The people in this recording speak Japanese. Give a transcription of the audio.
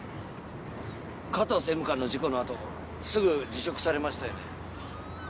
加藤政務官の事故のあとすぐ辞職されましたよね？